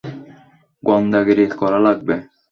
গোয়েন্দাগিরি করা লাগবে।